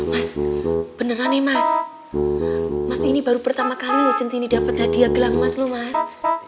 mas beneran mas mas ini baru pertama kali lo jantin ini dapet hadiah gelang emas lo mas